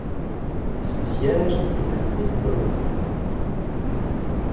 Son siège est Pittsboro.